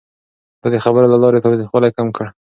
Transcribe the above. ده د خبرو له لارې تاوتريخوالی کم کړ.